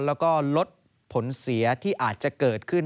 แล้วก็ลดผลเสียที่อาจจะเกิดขึ้น